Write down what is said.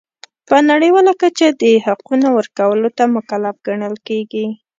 په نړیواله کچه د حقونو ورکولو ته مکلف ګڼل کیږي.